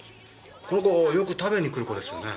この子よく食べに来る子ですよね